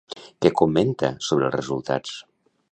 Què comenta sobre els resultats?